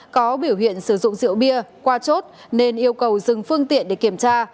có biểu hiện sử dụng rượu bia qua chốt nên yêu cầu dừng phương tiện để kiểm tra